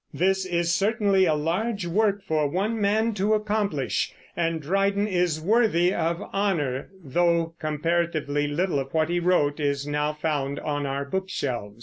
This is certainly a large work for one man to accomplish, and Dryden is worthy of honor, though comparatively little of what he wrote is now found on our bookshelves.